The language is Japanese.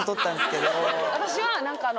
私は。